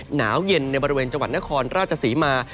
หนาวเย็นในบริเวณจังหวัดนครราชศรีมา